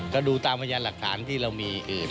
ก็ดูตามพยานหลักฐานที่เรามีอื่น